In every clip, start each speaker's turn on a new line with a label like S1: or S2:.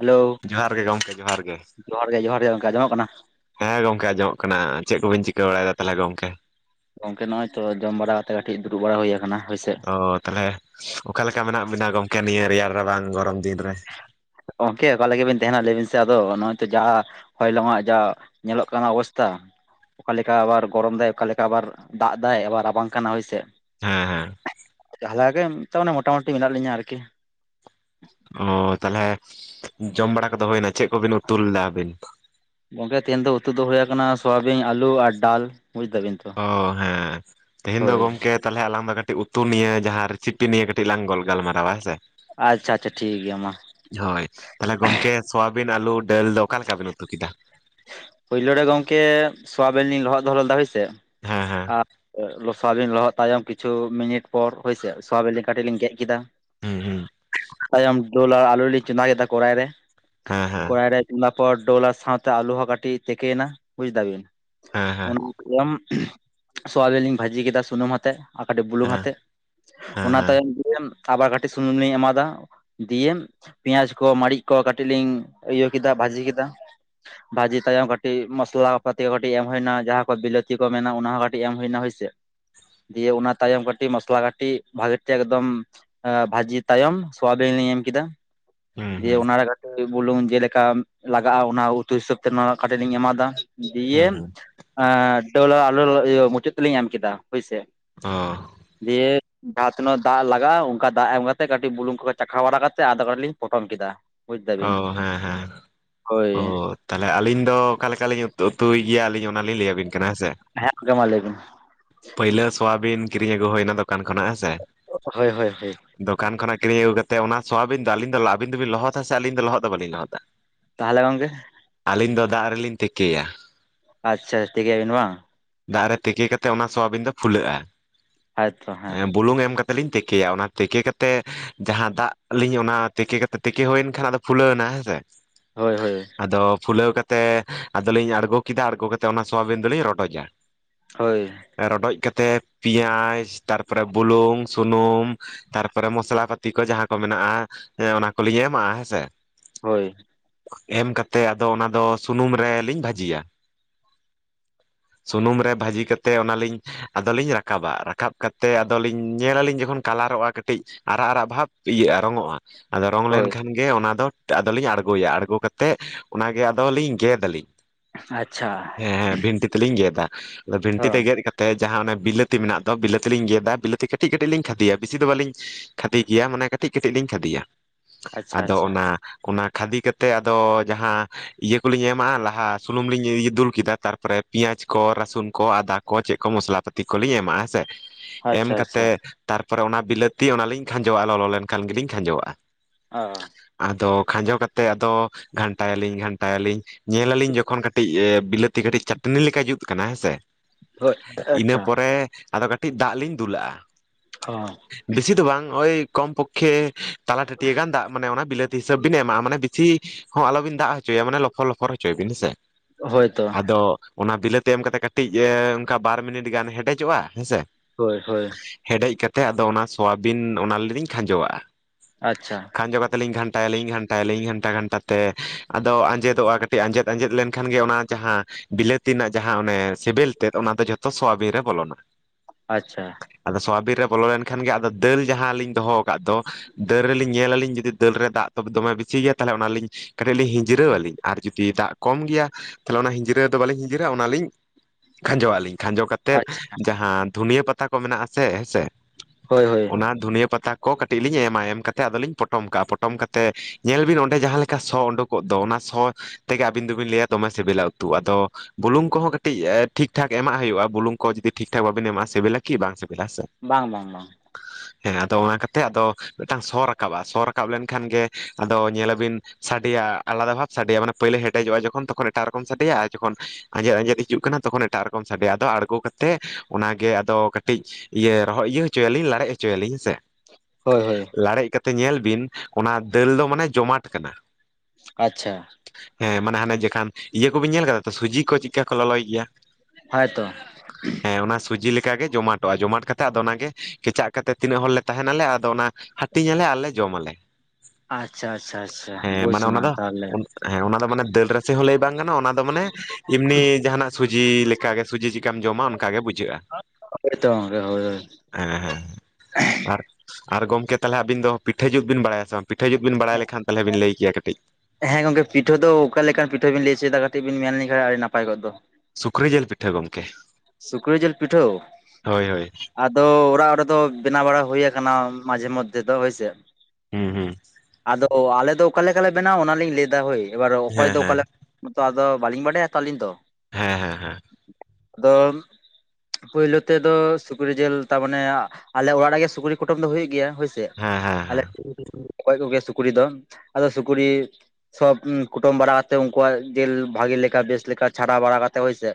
S1: Hello
S2: ᱡᱚᱦᱟᱨ ᱜᱮ ᱜᱚᱝᱠᱮ ᱡᱚᱦᱟᱨ ᱜᱮ᱾
S1: ᱡᱚᱦᱟᱨ ᱜᱮ ᱡᱚᱦᱟᱨ ᱜᱮ ᱜᱚᱝᱠᱮ ᱟᱸᱡᱚᱢᱚᱜ ᱠᱟᱱᱟ
S2: ᱦᱮᱸ ᱜᱚᱝᱠᱮ ᱟᱸᱡᱚᱢᱚᱜ ᱠᱟᱱᱟ, ᱪᱮᱫ ᱠᱚᱵᱤᱱ ᱪᱤᱠᱟᱹ ᱵᱟᱲᱟᱭᱫᱟ ᱛᱟᱦᱚᱞᱮ ᱜᱚᱝᱠᱮ?
S1: ᱜᱚᱝᱠᱮ ᱱᱚᱜᱼᱚᱭ ᱛᱚ ᱡᱚᱢ ᱵᱟᱲᱟ ᱠᱟᱛᱮ ᱠᱟᱹᱴᱤᱡ ᱫᱩᱲᱩᱵ ᱵᱟᱲᱟ ᱦᱳᱭ ᱟᱠᱟᱱᱟ ᱦᱳᱭᱥᱮ᱾
S2: ᱚᱻ ᱛᱟᱦᱚᱞᱮ ᱚᱠᱟ ᱞᱮᱠᱟ ᱢᱮᱱᱟᱜ ᱵᱤᱱᱟ ᱜᱚᱝᱠᱮ ᱱᱤᱭᱟᱹ ᱨᱮᱭᱟᱲ ᱨᱟᱵᱟᱝ ᱜᱚᱨᱚᱢ ᱫᱤᱱ ᱨᱮ?
S1: ᱜᱚᱝᱠᱮ ᱚᱠᱟ ᱞᱮᱠᱟ ᱵᱮᱱ ᱛᱟᱦᱮᱸᱱᱟ ᱞᱟᱹᱭ ᱵᱤᱱ ᱥᱮ ᱟᱫᱚ ᱱᱚᱜᱼᱚᱭ ᱛᱚ ᱡᱟ ᱦᱚᱭᱞᱚᱝᱟᱜ ᱡᱟ ᱧᱮᱞᱚᱜ ᱠᱟᱱᱟ ᱚᱵᱚᱥᱛᱟ, ᱚᱠᱟ ᱞᱮᱠᱟ ᱟᱵᱟᱨ ᱜᱚᱨᱚᱢ ᱫᱟᱭ, ᱚᱠᱟ ᱞᱮᱠᱟ ᱟᱵᱟᱨ ᱫᱟᱜ ᱫᱟᱭ, ᱟᱵᱟᱨ ᱨᱟᱵᱟᱝ ᱠᱟᱱᱟ ᱦᱳᱭᱥᱮ᱾
S2: ᱦᱮᱸ ᱦᱮᱸ᱾
S1: [unintelligible] ᱜᱮ [unintelligible] ᱢᱚᱴᱟ ᱢᱩᱴᱤ ᱢᱮᱱᱟᱜ ᱞᱤᱧᱟᱹ ᱟᱨᱠᱤ᱾
S2: ᱚ ᱛᱟᱦᱚᱞᱮ, ᱡᱚᱢ ᱵᱟᱲᱟ ᱠᱚᱫᱚ ᱦᱩᱭᱱᱟ, ᱪᱮᱫ ᱠᱚᱵᱤᱱ ᱩᱛᱩ ᱞᱮᱫᱟ ᱟᱵᱤᱱ?
S1: ᱜᱚᱝᱠᱮ ᱛᱮᱦᱮᱧ ᱫᱚ ᱩᱛᱩ ᱫᱚ ᱦᱩᱭ ᱟᱠᱟᱱᱟ ᱥᱳᱭᱟᱵᱤᱱ, ᱟᱹᱞᱩ, ᱟᱨ ᱰᱟᱞ ᱵᱩᱡ ᱫᱟ ᱵᱤᱱ
S2: ᱚ ᱦᱮᱸ ᱛᱮᱦᱮᱧ ᱫᱚ ᱜᱚᱢᱠᱮ ᱛᱟᱦᱚᱞᱮ ᱟᱞᱟᱝ ᱫᱚ ᱠᱟᱹᱴᱤᱡ ᱩᱛᱩ ᱱᱤᱭᱮ ᱡᱟᱦᱟᱸ ᱨᱤᱥᱤᱯᱤ ᱱᱤᱭᱟ ᱠᱟᱹᱴᱤᱡ ᱞᱟᱝ ᱜᱟᱞᱢᱟᱨᱟᱣᱟ ᱦᱮᱸ ᱥᱮ?
S1: ᱟᱪᱪᱷᱟ ᱟᱪᱪᱷᱟ ᱴᱷᱤᱠ ᱜᱮᱭᱟ ᱢᱟ᱾
S2: ᱦᱳᱭ ᱛᱟᱦᱞᱮ ᱜᱚᱢᱠᱮ ᱥᱚᱣᱟᱵᱤᱱ ᱟᱹᱞᱩ ᱰᱟᱹᱞ ᱫᱚ ᱚᱠᱟᱞᱮᱠᱟᱵᱤᱱ ᱩᱛᱩ ᱠᱮᱫᱟ?
S1: ᱯᱳᱭᱞᱳ ᱨᱮ ᱜᱚᱝᱠᱮ ᱥᱳᱣᱟᱵᱤᱱ ᱞᱤᱧ ᱞᱚᱦᱚᱫ ᱫᱚᱦᱚ ᱞᱮᱫᱟ ᱦᱳᱭᱥᱮ
S2: ᱦᱮᱸ ᱦᱮᱸ
S1: ᱟᱨ ᱞᱚᱥᱟᱵᱤᱱ ᱞᱚᱦᱚᱫ ᱛᱟᱭᱚᱢ ᱠᱤᱪᱷᱩ ᱢᱤᱱᱤᱴ ᱯᱚᱨ ᱦᱳᱭᱥᱮ ᱥᱳᱣᱟᱵᱤᱱ ᱞᱤᱧ ᱠᱟᱹᱴᱤᱡ ᱞᱤᱧ ᱜᱮᱫ ᱠᱮᱫᱟ,
S2: ᱦᱩᱸ ᱦᱩᱸ
S1: ᱛᱟᱭᱚᱢ ᱰᱟᱹᱞ ᱟᱨ ᱟᱞᱩ ᱞᱤᱧ ᱪᱚᱫᱟ ᱠᱮᱫᱟ ᱠᱚᱨᱟᱭ ᱨᱮ
S2: ᱦᱮᱸ ᱦᱮᱸ᱾
S1: ᱠᱚᱨᱟᱭ ᱨᱮ ᱪᱚᱸᱫᱟ ᱯᱚᱨ ᱰᱚᱞ ᱟᱨ ᱥᱟᱶᱛᱮ ᱟᱞᱩ ᱦᱚᱸ ᱠᱟᱹᱴᱤᱡ ᱛᱤᱠᱤᱭᱮᱱᱟ ᱵᱩᱡ ᱫᱟᱵᱤᱱ
S2: ᱦᱮᱸ ᱦᱮᱸ
S1: ᱚᱱᱟ ᱠᱚᱢ ᱥᱟᱣᱟᱵᱤᱱ ᱞᱤᱧ ᱵᱷᱟᱹᱡᱤ ᱠᱮᱫᱟ ᱥᱩᱱᱩᱢ ᱟᱛᱮ ᱟᱨ ᱠᱟᱹᱴᱤᱡ ᱵᱩᱞᱩᱝ
S2: ᱦᱮᱸ
S1: ᱟᱛᱮᱜ
S2: ᱦᱮᱸ ᱦᱮᱸ
S1: ᱚᱱᱟ
S2: ᱦᱮᱸ
S1: ᱛᱟᱭᱚᱢ ᱟᱵᱟᱨ ᱠᱟᱹᱴᱤᱡ ᱥᱩᱱᱩᱢ ᱞᱤᱧ ᱮᱢᱟᱫᱟ ᱫᱤᱭᱮ ᱯᱮᱸᱭᱟᱡᱽ ᱠᱚ ᱢᱟᱹᱨᱤᱡ ᱠᱚ ᱠᱟᱹᱴᱤᱡ ᱞᱤᱧ ᱤᱭᱟᱹ ᱠᱮᱫᱟ ᱵᱷᱟᱹᱡᱤ ᱠᱮᱫᱟ, ᱵᱷᱟᱹᱡᱤ ᱛᱟᱭᱚᱢ ᱠᱟᱹᱴᱤᱡ ᱢᱚᱥᱞᱟ ᱯᱟᱹᱛᱤ ᱠᱟᱹᱴᱤᱡ ᱮᱢ ᱦᱩᱭᱱᱟ ᱡᱟᱦᱟᱸ ᱠᱚ ᱵᱤᱞᱟᱹᱛᱤ ᱠᱚ ᱢᱮᱱᱟ ᱚᱱᱟ ᱦᱚᱸ ᱠᱟᱹᱴᱤᱡ ᱮᱢ ᱦᱩᱭᱱᱟ ᱦᱩᱭ ᱥᱮ ᱫᱤᱭᱮ ᱚᱱᱟ ᱛᱟᱭᱚᱢ ᱠᱟᱹᱴᱤᱡ ᱢᱚᱥᱞᱟ ᱠᱟᱹᱴᱤᱡ ᱵᱷᱟᱜᱤ ᱴᱷᱤᱠ ᱮᱠᱫᱚᱢ ᱟᱸ ᱵᱷᱟᱹᱡᱤ ᱛᱟᱭᱚᱢ ᱥᱳᱣᱟᱵᱤᱱ ᱤᱧ ᱮᱢ ᱠᱮᱫᱟ,
S2: ᱦᱩᱸ
S1: ᱫᱤᱭᱮ
S2: ᱦᱩᱸ
S1: ᱚᱱᱟᱨᱮ ᱠᱟᱹᱴᱤᱡ ᱵᱩᱞᱩᱝ ᱡᱮᱞᱮᱠᱟ ᱞᱟᱜᱟᱜᱼᱟ ᱚᱱᱟ [inaudible] ᱦᱤᱥᱟᱹᱵ ᱛᱮ ᱱᱚᱣᱟ ᱠᱟᱹᱴᱤᱡ ᱞᱤᱧ ᱮᱢᱟᱫᱟ ᱫᱤᱭᱮ
S2: ᱦᱩᱸ
S1: ᱟ ᱰᱟᱹᱞ ᱟᱨ ᱟᱞᱩ ᱤᱭᱟᱹ ᱢᱩᱪᱟᱹᱫ ᱛᱮᱞᱤᱧ ᱮᱢ ᱠᱮᱫᱟ ᱦᱳᱭᱥᱮ᱾
S2: ᱚ᱾
S1: ᱫᱤᱭᱮ ᱡᱟᱦᱟᱸ ᱛᱤᱱᱟᱹᱜ ᱫᱟᱜ ᱞᱟᱜᱟᱜᱼᱟ ᱚᱝᱠᱟ ᱫᱟᱜ ᱮᱢ ᱠᱟᱛᱮᱜ ᱠᱟᱹᱴᱤᱡ ᱵᱩᱞᱩᱝ ᱠᱚ ᱪᱟᱠᱷᱟ ᱵᱟᱲᱟ ᱠᱟᱛᱮᱫ ᱟᱫᱚ ᱞᱤᱧ ᱯᱚᱴᱚᱢ ᱠᱮᱫᱟ᱾ ᱵᱩᱡ
S2: ᱚ
S1: ᱫᱟᱵᱤᱱ
S2: ᱦᱮᱸ ᱦᱮᱸ ᱚ᱾
S1: ᱦᱳᱭ
S2: ᱛᱟᱦᱚᱞᱮ ᱟᱹᱞᱤᱧ ᱫᱚ ᱚᱠᱟᱞ ᱞᱮᱠᱟᱞᱤᱧ ᱩᱛᱩᱭ ᱜᱮᱭᱟ ᱟᱹᱞᱤᱧ ᱚᱱᱟ ᱞᱤᱧ ᱞᱟᱹᱭ ᱟᱵᱤᱱ ᱠᱟᱱᱟ ᱦᱮᱸ ᱥᱮ,
S1: ᱦᱮᱸ ᱜᱚᱝᱠᱮ ᱢᱟ ᱞᱟᱹᱭᱵᱤᱱ᱾
S2: ᱯᱟᱹᱭᱞᱟ ᱥᱚᱣᱟᱵᱤᱱ ᱠᱤᱨᱤᱧ ᱟᱹᱜᱩ ᱦᱩᱭᱱᱟ ᱫᱚᱠᱟᱱ ᱠᱷᱚᱱᱟᱜ ᱦᱮᱸᱥᱮ,
S1: ᱦᱳᱭ ᱦᱳᱭ ᱦᱳᱭ᱾
S2: ᱫᱚᱠᱟᱱ ᱠᱷᱱᱟᱜ ᱠᱤᱨᱤᱧ ᱟᱹᱜᱩ ᱠᱟᱛᱮᱜ ᱚᱱᱟ ᱥᱚᱣᱟᱵᱤᱱ ᱫᱚ ᱟᱹᱞᱤᱧ ᱫᱚ ᱟᱹᱵᱤᱱ ᱫᱚᱵᱤᱱ ᱞᱚᱦᱚᱫᱟ ᱥᱮ ᱟᱹᱞᱤᱧ ᱫᱚ ᱞᱚᱦᱚᱫ ᱫᱚ ᱵᱟᱞᱤᱧ ᱞᱚᱦᱚᱫᱟ,
S1: ᱛᱟᱦᱚᱞᱮ ᱜᱚᱝᱠᱮ?
S2: ᱟᱹᱞᱤᱧ ᱫᱚ ᱫᱟᱜ ᱨᱮᱞᱤᱧ ᱛᱤᱠᱤᱭᱟ᱾
S1: ᱟᱪᱪᱷᱟ ᱛᱮᱠᱤᱭᱟᱵᱤᱱ ᱵᱟᱝ?
S2: ᱫᱟᱜ ᱨᱮ ᱛᱮᱠᱤ ᱠᱟ ᱠᱟᱛᱮᱜ ᱚᱱᱟ ᱥᱚᱣᱟᱵᱤᱱ ᱫᱚ ᱯᱷᱩᱞᱟᱹᱜᱼᱟ᱾
S1: ᱦᱟᱭ ᱛᱚ ᱦᱮᱸ᱾
S2: ᱵᱩᱞᱩᱝ ᱮᱢ ᱠᱟᱛᱮ ᱞᱤᱧ ᱛᱤᱠᱮᱭᱟ ᱚᱱᱟ ᱛᱤᱠᱮ ᱠᱟᱛᱮ ᱡᱟᱦᱟᱸ ᱫᱟᱜ ᱞᱤᱧ ᱚᱱᱟ ᱛᱮᱠᱮ ᱠᱟᱛᱮ ᱛᱮᱠᱮ ᱦᱩᱭᱮᱱ ᱠᱷᱟᱱ ᱟᱫᱚ ᱯᱷᱩᱞᱟᱣ ᱱᱟ ᱦᱮᱸᱥᱮ,
S1: ᱦᱳᱭ ᱦᱳᱭ᱾
S2: ᱟᱫᱚ ᱯᱷᱩᱞᱟᱹᱣ ᱠᱟᱛᱮ ᱟᱫᱚᱞᱤᱧ ᱟᱬᱜᱚ ᱠᱮᱫᱟ ᱟᱬᱜᱚ ᱠᱟᱛᱮ ᱚᱱᱟ ᱥᱚᱣᱟᱵᱤᱱ ᱫᱚᱞᱤᱧ ᱨᱚᱰᱚᱡᱟ᱾
S1: ᱦᱳᱭ᱾
S2: ᱨᱚᱰᱚᱡ ᱠᱟᱛᱮᱜ ᱯᱤᱭᱟᱸᱡᱽ ᱛᱟᱨᱯᱚᱨᱮ ᱵᱩᱞᱩᱝ, ᱥᱩᱱᱩᱢ ᱛᱟᱨᱯᱚᱨᱮ ᱢᱚᱥᱞᱟ ᱯᱟᱹᱛᱤ ᱠᱚ ᱡᱟᱦᱟᱸ ᱠᱚ ᱢᱮᱱᱟᱜᱼᱟ ᱮᱸ ᱚᱱᱟ ᱠᱚᱞᱤᱧ ᱮᱢᱟᱜᱼᱟ ᱦᱮᱸᱥᱮ,
S1: ᱦᱳᱭ᱾
S2: ᱮᱢ ᱠᱟᱛᱮᱫ ᱟᱫᱚ ᱚᱱᱟᱫᱚ ᱥᱩᱱᱩᱢ ᱨᱮᱞᱤᱧ ᱵᱷᱟᱹᱡᱤᱭᱟ᱾ ᱥᱩᱱᱩᱢ ᱨᱮ ᱵᱷᱟᱹᱡᱤ ᱠᱟᱛᱮ ᱚᱱᱟᱞᱤᱧ ᱟᱫᱚᱞᱤᱧ ᱨᱟᱠᱟᱵᱟ ᱨᱟᱠᱟᱵ ᱠᱟᱛᱮ ᱟᱫᱚ ᱞᱤᱧ ᱧᱮᱞ ᱟᱹᱞᱤᱧ ᱡᱚᱠᱷᱚᱱ ᱠᱟᱞᱟᱨᱚᱜᱼᱟ, ᱠᱟᱹᱴᱤᱡ ᱟᱨᱟᱜ ᱟᱨᱟᱜ ᱵᱷᱟᱵᱽ ᱤᱭᱟᱹᱜᱼᱟ ᱨᱚᱝᱚᱜᱼᱟ ᱟᱫᱚ ᱨᱚᱝ
S1: ᱦᱳᱭ
S2: ᱞᱮᱱᱠᱷᱟᱱ ᱜᱮ ᱚᱱᱟ ᱫᱚ ᱟᱫᱚ ᱞᱤᱧ ᱟᱬᱜᱚᱭᱟ ᱟᱬᱜᱚ ᱠᱟᱛᱮ ᱚᱱᱟ ᱜᱮ ᱟᱫᱚ ᱞᱤᱧ ᱜᱮᱫ ᱟᱞᱤᱧ ᱾
S1: ᱟᱪᱪᱷᱟ
S2: ᱦᱮᱸ ᱦᱮᱸ ᱵᱷᱤᱱᱴᱤ ᱛᱮᱞᱤᱧ ᱜᱮᱫᱟ, ᱟᱫᱚ
S1: ᱚ
S2: ᱵᱷᱤᱱᱴᱤ ᱛᱮ ᱜᱮᱫ ᱠᱟ ᱱᱚᱛᱮ ᱡᱟᱦᱟ ᱚᱱᱮ ᱵᱤᱞᱟᱹᱛᱤ ᱢᱮᱱᱟᱜ ᱫᱚ ᱵᱤᱞᱟᱹᱛᱤ ᱞᱤᱧ ᱜᱮᱫᱟ, ᱵᱤᱞᱟᱹᱛᱤ ᱠᱟᱹᱴᱤᱡ ᱠᱟᱹᱴᱤᱡ ᱞᱤᱧ ᱠᱷᱟᱫᱤᱭᱟ ᱵᱮᱥᱤ ᱫᱚ ᱵᱟᱹᱞᱤᱧ ᱠᱷᱟᱫᱤ ᱜᱮᱭᱟ ᱢᱟᱱᱮ ᱠᱟᱹᱴᱤᱡ ᱠᱟᱹᱴᱤᱡ ᱞᱤᱧ ᱠᱷᱟᱫᱤᱭᱟ
S1: ᱟᱪᱪᱷᱟ
S2: ᱟᱫᱚ
S1: ᱟᱪᱪᱷᱟ
S2: ᱚᱱᱟ ᱚᱱᱟ ᱠᱷᱟᱫᱤ ᱠᱟᱛᱮᱫ ᱟᱫᱚ ᱡᱟᱦᱟ ᱤᱭᱟᱹ ᱠᱚᱞᱤᱧ ᱮᱢ ᱠᱮᱜ-ᱟ ᱞᱟᱦᱟ ᱥᱩᱱᱩᱢ ᱞᱤᱧ ᱫᱩᱞ ᱠᱮᱫᱟ ᱛᱟᱨᱯᱚᱨᱮ ᱯᱮᱸᱭᱟᱡᱽ ᱠᱚ ᱨᱟᱹᱥᱩᱱ ᱠᱚ ᱟᱫᱟ ᱠᱚ ᱪᱮᱫ ᱠᱚ ᱢᱚᱥᱞᱟ ᱯᱟᱹᱛᱤ ᱠᱚᱞᱤᱧ ᱮᱢᱟᱜ ᱦᱮᱸᱥᱮ ᱮᱢ
S1: ᱟᱪᱪᱷᱟ ᱟᱪᱪᱷᱟ
S2: ᱠᱟᱛᱮᱫ ᱛᱟᱨᱯᱚᱨᱮ ᱚᱱᱟ ᱵᱤᱞᱟᱹᱛᱤ ᱚᱱᱟ ᱞᱤᱧ ᱠᱷᱟᱸᱡᱚᱜ-ᱟ, ᱞᱚᱞᱚ ᱞᱮᱱ ᱠᱷᱟᱱ ᱜᱮᱞᱤᱧ ᱠᱷᱟᱸᱡᱚᱣᱟᱜ-ᱟ ᱾
S1: ᱚ ᱾
S2: ᱟᱫᱚ ᱠᱷᱟᱸᱡᱚ ᱠᱟᱛᱮ ᱟᱫᱚ ᱜᱷᱟᱱᱴᱟᱭ ᱟᱹᱞᱤᱧ, ᱜᱷᱟᱱᱴᱟᱭ ᱟᱹᱞᱤᱧ ᱧᱮᱞ ᱟᱹᱞᱤᱧ ᱡᱚᱠᱷᱚᱱ ᱠᱟᱹᱴᱤᱡ ᱵᱤᱞᱟᱹᱛᱤ ᱠᱟᱹᱴᱤᱡ ᱪᱟᱹᱴᱱᱤ ᱞᱮᱠᱟ ᱡᱩᱛ ᱟᱠᱟᱱᱟ ᱦᱮᱸ ᱥᱮ᱾
S1: ᱦᱳᱭ
S2: ᱤᱱᱟᱹ
S1: ᱟᱪᱪᱷᱟ
S2: ᱯᱚᱨᱮ ᱟᱫᱚ ᱠᱟᱹᱴᱤᱡ ᱫᱟᱜ ᱞᱤᱧ ᱫᱩᱞ ᱞᱟᱜ-ᱟ ᱾
S1: ᱚ ᱾
S2: ᱵᱮᱥᱤ ᱫᱚ ᱵᱟᱝ ᱳᱭ ᱠᱚᱢ ᱯᱚᱠᱷᱮ ᱛᱟᱞᱟ ᱴᱟᱹᱴᱤᱭᱟ ᱜᱟᱱ ᱫᱟᱜ ᱢᱟᱱᱮ ᱚᱱᱟ ᱵᱤᱞᱟᱹᱛᱤ ᱦᱤᱥᱟᱹᱵ ᱵᱤᱱ ᱮᱢᱟᱜᱼᱟ, ᱢᱟᱱᱮ ᱵᱤ ᱛᱤ ᱦᱚᱸ ᱟᱞᱚ ᱵᱤᱱ ᱫᱟᱜ ᱦᱚᱪᱚᱭᱟ ᱢᱟᱱᱮ ᱞᱚᱯᱷᱚᱨ, ᱞᱚᱯᱷᱚᱨ ᱦᱚᱪᱚᱭᱟ ᱵᱤᱱ ᱦᱮᱸᱥᱮ,
S1: ᱦᱳᱭᱛᱚ
S2: ᱟᱫᱚ ᱚᱱᱟ ᱵᱤᱞᱟᱹᱛᱤ ᱮᱢ ᱠᱟᱛᱮ ᱠᱟᱹᱴᱤᱡ ᱚᱱᱠᱟ ᱵᱟᱨ ᱢᱤᱱᱤᱴ ᱜᱟᱱ ᱦᱮᱰᱮᱡᱚᱜ-ᱟ, ᱦᱮᱸᱥᱮ ᱾
S1: ᱦᱳᱭ, ᱦᱳᱭ ᱾
S2: ᱦᱮᱰᱮᱡ ᱠᱟᱛᱮ ᱟᱫᱚ ᱚᱱᱟ ᱥᱳᱣᱟᱵᱤᱱ ᱚᱱᱟ ᱨᱮᱞᱤᱧ ᱠᱷᱟᱸᱡᱚᱣᱟᱜ-ᱟ ᱾
S1: ᱟᱪᱪᱷᱟ ᱾
S2: ᱠᱷᱟᱸᱡᱚ ᱠᱟᱛᱮ ᱞᱤᱧ ᱜᱷᱟᱱᱴᱟᱭ ᱟᱹᱞᱤᱧ, ᱜᱷᱟᱱᱴᱟᱭ ᱟᱹᱞᱤᱧ ᱜᱷᱟᱱᱴᱟ, ᱜᱷᱟᱱᱴᱟ ᱛᱮ ᱟᱫᱚ ᱟᱸᱡᱮᱫᱚᱜ-ᱟ ᱠᱟᱹᱴᱤᱡ ᱟᱸᱡᱮᱫ ᱟᱸᱡᱮᱫ ᱞᱮᱱᱠᱷᱟᱱ ᱜᱮ ᱚᱱᱟ ᱡᱟᱦᱟ ᱵᱤᱞᱟᱹᱛᱤ ᱨᱮᱱᱟᱜ ᱡᱟᱦᱟ ᱚᱱᱮ ᱥᱮᱵᱮᱞ ᱛᱮᱫ ᱚᱱᱟ ᱫᱚ ᱡᱷᱚᱛᱚ ᱥᱳᱣᱟᱵᱤᱱ ᱨᱮ ᱵᱚᱞᱚᱱᱟ ᱾
S1: ᱟᱪᱪᱷᱟ ᱾
S2: ᱟᱫᱚ ᱥᱳᱣᱟᱵᱤᱱ ᱨᱮ ᱵᱚᱞᱚ ᱞᱮᱱᱠᱷᱟᱱ ᱜᱮ, ᱟᱫᱚ ᱫᱟᱹᱞ ᱡᱟᱦᱟ ᱞᱤᱧ ᱫᱚᱦᱚ ᱠᱟᱜ ᱫᱚ ᱫᱟᱹᱞ ᱨᱮ ᱞᱤᱧ ᱧᱮᱞ ᱟᱹᱞᱤᱧ ᱡᱩᱫᱤ ᱫᱟᱹᱞ ᱨᱮ ᱫᱟᱜ ᱛᱮ ᱫᱚᱢᱮ ᱵᱮᱥᱤ ᱜᱮᱭᱟ, ᱛᱟᱞᱦᱮ ᱚᱱᱟ ᱞᱤᱧ ᱠᱟᱹᱴᱤᱡ ᱞᱤᱧ ᱦᱤᱡᱨᱟᱹᱣ ᱟᱹᱞᱤᱧ ᱟᱨ ᱡᱩᱫᱤ ᱫᱟᱜ ᱠᱚᱢ ᱜᱮᱭᱟ᱾ ᱛᱟᱦᱞᱮ ᱚᱱᱟ ᱦᱤᱡᱨᱟᱹᱣ ᱫᱚ ᱵᱟᱹᱞᱤᱧ ᱦᱤᱡᱨᱟᱹᱣ ᱚᱱᱟ ᱞᱤᱧ ᱠᱷᱟᱸᱡᱚ ᱟᱹᱞᱤᱧ ᱠᱷᱟᱸᱡᱚ ᱠᱟᱛᱮ
S1: ᱟᱪᱪᱷᱟ
S2: ᱡᱟᱦᱟ ᱫᱷᱩᱱᱭᱟᱹ ᱯᱟᱛᱟ ᱠᱚ ᱢᱮᱱᱟᱜ ᱥᱮ, ᱦᱮᱸ ᱥᱮ
S1: ᱦᱳᱭ ᱦᱳᱭ
S2: ᱾ ᱚᱱᱟ ᱫᱷᱩᱱᱤᱭᱟᱹ ᱯᱟᱛᱟ ᱠᱚ ᱠᱟᱹᱴᱤᱡ ᱞᱤᱧ ᱮᱢᱟ, ᱮᱢ ᱠᱟᱛᱮ ᱟᱫᱚ ᱞᱤᱧ ᱯᱚᱴᱚᱢ ᱠᱟᱜᱼᱟ, ᱯᱚᱴᱚᱢ ᱠᱟᱛᱮ ᱧᱮᱞ ᱵᱤᱱ ᱚᱸᱰᱮ ᱡᱟᱦᱟ ᱞᱮᱠᱟ ᱥᱚ ᱳᱰᱳᱠ ᱠᱚᱜ ᱫᱚ ᱚᱱᱟ ᱥᱚ ᱛᱮ ᱜᱮ ᱟᱹᱵᱤᱱ ᱫᱚ ᱵᱤᱱ ᱞᱟᱹᱭ-ᱟ ᱫᱚᱢᱮ ᱥᱤᱵᱤᱞᱟ ᱩᱛᱩ ᱟᱫᱚ ᱵᱩᱞᱩᱝ ᱠᱚᱦᱚᱸ ᱠᱟᱹᱴᱤᱡ ᱴᱷᱤᱠ ᱴᱷᱟᱠ ᱮᱢᱟᱜ ᱦᱳᱭᱳᱜ-ᱟ ᱾ ᱵᱩᱞᱩᱝ ᱡᱩᱫᱤ ᱴᱷᱤᱠ ᱴᱷᱟᱠ ᱵᱟᱵᱮᱱ ᱮᱢᱟᱜ-ᱟ ᱥᱤᱵᱤᱞᱟ ᱠᱤ ᱵᱟᱝ ᱥᱤᱵᱤᱞᱟ ᱦᱮᱸ ᱥᱮ?
S1: ᱵᱟᱝ, ᱵᱟᱝ, ᱵᱟᱝ ᱾
S2: ᱦᱮᱸ, ᱟᱫᱚ ᱚᱱᱟ ᱠᱟᱛᱮ ᱟᱫᱚ ᱢᱤᱫᱴᱟᱝ ᱥᱚ ᱨᱟᱠᱟᱵᱟ, ᱥᱚ ᱨᱟᱠᱟᱵ ᱞᱮᱱ ᱠᱷᱟᱱ ᱜᱮ ᱟᱫᱚ ᱧᱮᱞ ᱞᱟᱵᱤᱱ ᱥᱟᱰᱮᱭᱟ ᱟᱞᱟᱫᱟ ᱵᱷᱟᱽ ᱥᱟᱰᱮᱭᱟ ᱢᱟᱱᱮ ᱯᱳᱭᱞᱳ ᱦᱮᱰᱮᱡᱚᱜ ᱡᱚᱠᱷᱚᱱ ᱛᱚᱠᱷᱚᱱ ᱮᱴᱟᱜ ᱨᱚᱠᱚᱢ ᱥᱟᱰᱮᱭᱟ ᱟᱨ ᱡᱚᱠᱷᱚᱱ ᱟᱸᱡᱮᱫ, ᱟᱸᱡᱮᱫ ᱦᱤᱡᱩᱜ ᱠᱟᱱᱟ ᱛᱚᱠᱷᱚᱱ ᱮᱴᱟᱜ ᱨᱚᱠᱚᱢ ᱥᱟᱰᱮᱭᱟ, ᱟᱫᱚ ᱟᱲᱜᱳ ᱠᱟᱛᱮ ᱚᱱᱟ ᱜᱮ ᱟᱫᱚ ᱠᱟᱹᱴᱤᱡ ᱤᱭᱟᱹ ᱨᱚᱦᱚᱭ ᱤᱭᱟᱹ ᱦᱚᱪᱚᱭ ᱟᱹᱞᱤᱧ ᱞᱟᱲᱮᱡ ᱦᱚᱪᱚᱭ ᱟᱹᱞᱤᱧ ᱦᱮᱸ ᱥᱮ ᱾
S1: ᱦᱳᱭ, ᱦᱳᱭ ᱾
S2: ᱞᱟᱲᱮᱡ ᱠᱟᱛᱮ ᱧᱮᱞ ᱵᱤᱱ ᱚᱱᱟ ᱫᱟᱹᱞ ᱫᱚ ᱢᱟᱱᱮ ᱡᱚᱢᱟᱴ ᱠᱟᱱᱟ᱾
S1: ᱟᱪᱪᱷᱟ ᱾
S2: ᱦᱮᱸ, ᱢᱟᱱᱮ ᱦᱟᱱᱮ ᱡᱮᱠᱷᱟᱱ ᱤᱭᱟᱹ ᱠᱚᱵᱤᱱ ᱧᱮᱞ ᱠᱟᱫᱟ ᱛᱚ ᱥᱩᱡᱤ ᱠᱚ ᱪᱮᱫᱠᱟ ᱠᱚ ᱞᱚᱞᱚᱭ ᱜᱮᱭᱟ?
S1: ᱦᱮᱸ ᱛᱚ ᱾
S2: ᱦᱮᱸ ᱚᱱᱟ ᱥᱩᱡᱤ ᱞᱮᱠᱟ ᱜᱮ ᱡᱚᱢᱟᱴᱚᱜᱼᱟ ᱡᱚᱢᱟᱴ ᱠᱟᱛᱮ, ᱟᱫᱚ ᱚᱱᱟ ᱜᱮ ᱠᱮᱪᱟᱜ ᱠᱟᱛᱮ ᱛᱤᱱᱟᱹᱜ ᱦᱚᱲ ᱞᱮ ᱛᱟᱦᱮᱱᱟ ᱞᱮ ᱟᱫᱚ ᱚᱱᱟ ᱦᱟᱹᱴᱤᱧ ᱟᱞᱮ ᱟᱨᱞᱮ ᱡᱚᱢᱟ ᱞᱮ ᱾
S1: ᱟᱪᱪᱷᱟ ᱟᱪᱪᱷᱟ ᱟᱪᱪᱷᱟ
S2: ᱦᱮᱸ,
S1: ᱵᱩᱡᱽ
S2: ᱢᱟᱱᱮ ᱚᱱᱟ
S1: ᱱᱟ
S2: ᱫᱚ
S1: ᱛᱟᱦᱚᱞᱮ
S2: ᱦᱮᱸ ᱚᱱᱟ ᱫᱚ ᱢᱟᱱᱮ ᱫᱟᱹᱞ ᱨᱟᱥᱮ ᱦᱚᱸ ᱞᱟᱹᱭ ᱵᱟᱝ ᱜᱟᱱᱚᱜ-ᱟ᱾ᱚᱱᱟ ᱫᱚ ᱢᱟᱱᱮ ᱮᱢᱱᱤ ᱡᱟᱦᱟ ᱱᱟᱜ ᱥᱩᱡᱤ ᱞᱮᱠᱟ ᱜᱮ ᱥᱩᱡᱤ ᱪᱮᱠᱟᱢ ᱡᱚᱢᱟ ᱚᱱᱠᱟ ᱜᱮ ᱵᱩᱡᱷᱟᱹᱜᱼᱟ ᱾
S1: ᱥᱚᱸᱜᱮ ᱦᱳᱭ, ᱦᱳᱭ ᱾
S2: ᱟᱨ ᱟᱨ ᱜᱚᱝᱠᱮ ᱛᱟᱞᱦᱮ ᱟᱵᱤᱱ ᱫᱚ ᱯᱤᱴᱷᱟᱹ ᱡᱩᱛ ᱵᱤᱱ ᱵᱟᱲᱟᱭᱟ ᱥᱮ ᱵᱟᱝ? ᱯᱴᱷᱟᱹ ᱡᱩᱛ ᱵᱮᱱ ᱵᱟᱲᱟᱭ ᱞᱮᱠᱷᱟᱱ ᱛᱟᱞᱦᱮ ᱵᱤᱱ ᱞᱟᱹᱭ ᱠᱮᱭᱟ ᱠᱟᱹᱴᱤᱡ᱾
S1: ᱦᱮᱸ ᱜᱚᱝᱠᱮ, ᱯᱤᱴᱷᱟᱹ ᱫᱚ ᱚᱠᱟ ᱞᱮᱠᱟᱱ ᱯᱤᱴᱷᱟᱹ ᱵᱮᱱ ᱞᱟᱹᱭ ᱪᱚᱭᱮᱫᱟ ᱠᱟᱹᱴᱤᱡ ᱵᱮᱱ ᱢᱮᱱ ᱞᱮᱠᱷᱟᱱ ᱟᱹᱰᱤ ᱱᱟᱯᱟᱭ ᱠᱚᱜ ᱫᱚ᱾
S2: ᱥᱩᱠᱨᱤ ᱡᱮᱞ ᱯᱤᱴᱷᱟᱹ ᱜᱚᱢᱠᱮ᱾
S1: ᱥᱩᱠᱨᱤ ᱡᱮᱞ ᱯᱤᱴᱷᱟᱹ?
S2: ᱦᱳᱭ ᱦᱳᱭ
S1: ᱟᱫᱚ ᱚᱲᱟᱜ ᱨᱮᱫᱚ ᱵᱮᱱᱟᱣ ᱵᱟᱲᱟ ᱦᱳᱭ ᱟᱠᱟᱱᱟ ᱢᱟᱡᱷᱮ ᱢᱚᱫᱽᱫᱷᱮ ᱫᱚ, ᱦᱳᱭᱥᱮ᱾
S2: ᱦᱩᱸ ᱦᱩᱸ᱾
S1: ᱟᱫᱚ ᱟᱞᱮ ᱫᱚ ᱚᱠᱟᱞᱮᱠᱟᱞᱮ ᱵᱮᱱᱟᱣᱟ ᱚᱱᱟᱞᱤᱧ ᱞᱟᱹᱭ ᱮᱫᱟ ᱦᱳᱭ, ᱮᱵᱟᱨ ᱚᱠᱚᱭ
S2: ᱦᱮᱸ
S1: ᱫᱚ
S2: ᱦᱮᱸ
S1: ᱚᱠᱟᱞᱮ ᱛᱚ ᱟᱫᱚ ᱵᱟᱹᱞᱤᱧ ᱵᱟᱰᱟᱭᱟ ᱛᱚ ᱟᱹᱞᱤᱧ ᱫᱚ᱾
S2: ᱦᱮᱸ ᱦᱮᱸ ᱦᱮᱸ᱾
S1: ᱟᱫᱚ ᱯᱩᱭᱞᱳ ᱛᱮᱫᱚ ᱥᱩᱠᱨᱤ ᱡᱮᱞ, ᱛᱟᱢᱟᱱᱮ ᱟᱞᱮ ᱚᱲᱟᱜ ᱨᱮᱜᱮ ᱥᱩᱠᱨᱤ ᱠᱩᱴᱟᱹᱢ ᱫᱚ ᱦᱩᱭᱩᱜ ᱜᱮᱭᱟ, ᱦᱳᱭᱥᱮ᱾
S2: ᱦᱮᱸ ᱦᱮᱸ ᱦᱮᱸ
S1: [inaudible] ᱜᱚᱡ ᱠᱚᱜᱮᱭᱟ ᱥᱩᱠᱨᱤ ᱫᱚ, ᱟᱫᱚ ᱥᱩᱠᱨᱤ ᱥᱚᱵ ᱠᱩᱴᱟᱹᱢ ᱵᱟᱲᱟ ᱠᱟᱛᱮ ᱩᱱᱠᱩᱣᱟᱜ ᱡᱮᱞ ᱵᱷᱟᱜᱮ ᱞᱮᱠᱟ ᱵᱮᱥ ᱞᱮᱠᱟ ᱪᱷᱟᱰᱟᱣ ᱵᱟᱲᱟ ᱠᱟᱛᱮ ᱦᱚᱳᱭᱥᱮ,